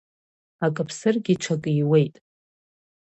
Акы ԥсыргьы ҽакы ииуеит…